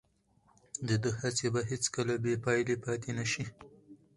د ده هڅې به هیڅکله بې پایلې پاتې نه شي.